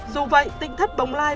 dù vậy tỉnh thất bồng lai